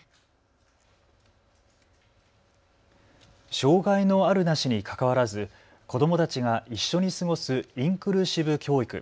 障害のあるなしにかかわらず子どもたちが一緒に過ごすインクルーシブ教育。